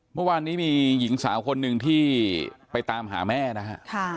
เมื่อวานนี้มีหญิงสาวคนหนึ่งที่ไปตามหาแม่นะฮะ